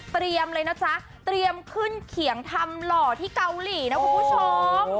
เลยนะจ๊ะเตรียมขึ้นเขียงทำหล่อที่เกาหลีนะคุณผู้ชม